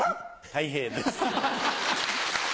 たい平です。